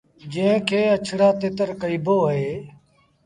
جݩهݩ کي اَڇڙآ تتر ڪهيبو اهي۔